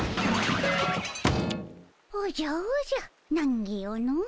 おじゃおじゃなんぎよの。